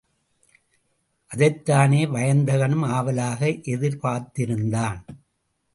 அதைத்தானே வயந்தகனும் ஆவலாக எதிர்பார்த்திருந்தான்.